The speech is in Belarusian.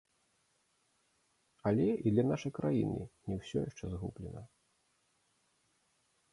Але і для нашай краіны не ўсё яшчэ згублена.